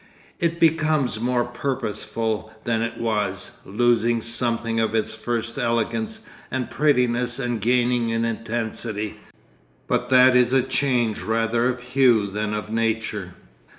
It becomes more purposeful than it was, losing something of its first elegance and prettiness and gaining in intensity; but that is a change rather of hue than of nature.